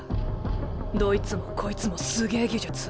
どいつもこいつもすげえ技術。